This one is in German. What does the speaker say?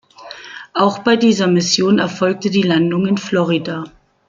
Auch bei dieser Mission erfolgte die Landung in Florida.